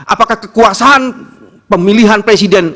apakah kekuasaan pemilihan presiden